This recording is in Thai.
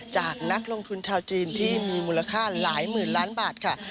นักลงทุนชาวจีนที่มีมูลค่าหลายหมื่นล้านบาทค่ะ